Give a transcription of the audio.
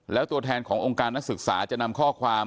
แล้วตัวแทนขององค์การนักศึกษาจะนำข้อความ